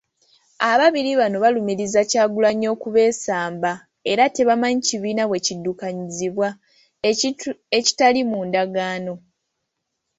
Ababiri bano balumiriza Kyagulanyi okubeesamba era tebamanyi kibiina bwe kiddukanyizibwa, ekintu ekitali mu ndagaano.